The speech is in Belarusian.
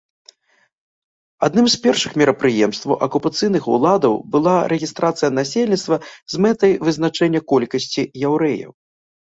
Адным з першых мерапрыемстваў акупацыйных уладаў была рэгістрацыя насельніцтва з мэтай вызначэння колькасці яўрэяў.